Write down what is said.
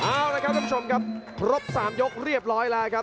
เอาละครับท่านผู้ชมครับครบ๓ยกเรียบร้อยแล้วครับ